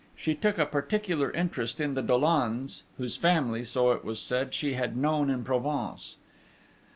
She took a particular interest in the Dollons, whose family, so it was said, she had known in Provence.